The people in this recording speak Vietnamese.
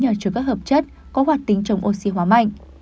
nhà chứa các hợp chất có hoạt tính chống oxy hóa mạnh